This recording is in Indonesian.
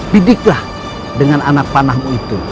didiklah dengan anak panahmu itu